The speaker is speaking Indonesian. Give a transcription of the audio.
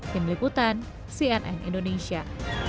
tim liputan cnn indonesia